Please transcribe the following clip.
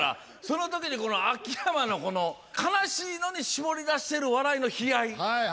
そのときにこの秋山のこの悲しいのに絞り出してるはいはい。